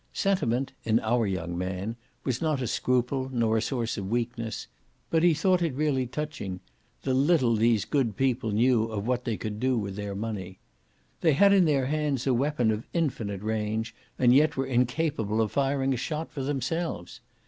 Sentiment, in our young man, was not a scruple nor a source of weakness; but he thought it really touching, the little these good people knew of what they could do with their money. They had in their hands a weapon of infinite range and yet were incapable of firing a shot for themselves.